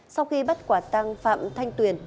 sau khi bắt quả tăng phạm thanh tuyền